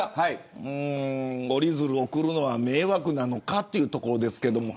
折り鶴を送るのは迷惑なのかというところですけれども。